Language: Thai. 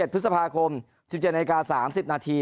๑พฤษภาคม๑๗นาที๓๐นาที